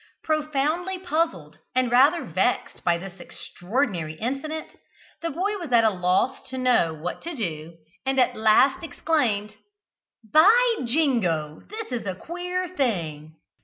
Profoundly puzzled, and rather vexed by this extraordinary incident, the boy was at a loss to know what to do, and at last exclaimed: "By Jingo, this is a queer thing!"